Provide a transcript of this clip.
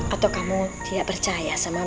atau kamu tidak percaya dengan aku